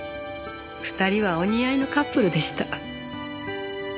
２人はお似合いのカップルでした。